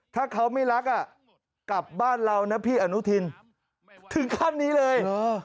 ถ้าเขาไม่รักกลับบ้านเรานะพี่อนุทินถึงขั้นนี้เลย